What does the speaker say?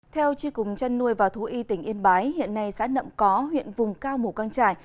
theo tri cùng chăn nuôi và thú y tỉnh yên bái hiện nay xã nậm có huyện vùng cao mù căng trải